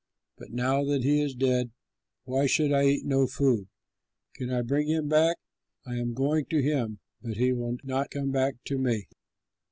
But now that he is dead, why should I eat no food? Can I bring him back? I am going to him, but he will not come back to me."